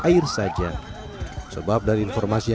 kami berikan kepadanya kepadanya kebakaran yang terjadi kebakaran